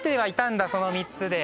その３つで。